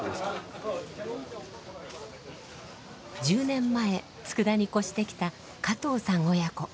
１０年前佃に越してきた加藤さん親子。